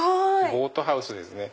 ボートハウスですね。